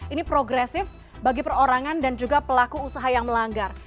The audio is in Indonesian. ini progresif bagi perorangan dan juga pelaku usaha yang melanggar